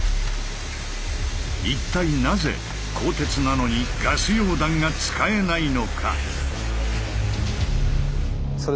一体なぜ鋼鉄なのにガス溶断が使えないのか。